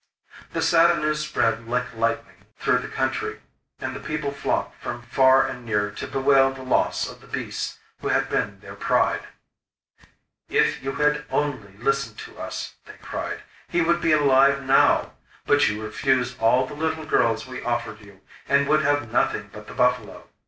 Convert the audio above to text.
This sad news spread like lightning through the country, and the people flocked from far and near to bewail the loss of the beast who had been their pride. 'If you had only listened to us,' they cried, 'he would be alive now. But you refused all the little girls we offered you, and would have nothing but the buffalo.